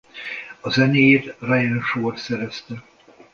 A zenéjét Ryan Shore szerezte.